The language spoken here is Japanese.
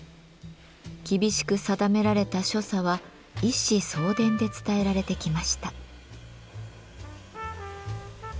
厳しく定められた所作は一子相伝で伝えられてきました。